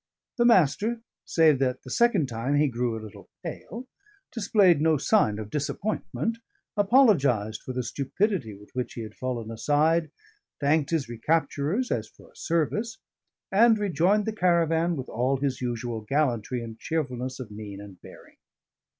The Master, save that the second time he grew a little pale, displayed no sign of disappointment, apologised for the stupidity with which he had fallen aside, thanked his recapturers as for a service, and rejoined the caravan with all his usual gallantry and cheerfulness of mien and bearing.